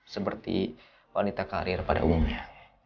seperti wanita karir pada umumnya